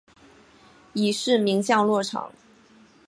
伊是名降落场。